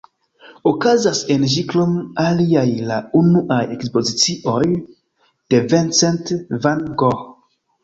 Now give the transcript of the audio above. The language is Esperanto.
Okazis en ĝi krom aliaj la unuaj ekspozicioj de Vincent van Gogh.